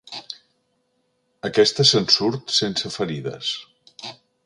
Aquesta se'n surt sense ferides.